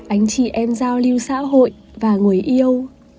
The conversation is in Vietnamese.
anh chị em giao lưu xã hội và người yêu